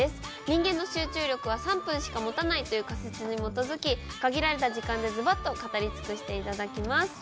人間の集中力は３分しか持たないという仮説に基づき限られた時間でズバッと語り尽くしていただきます。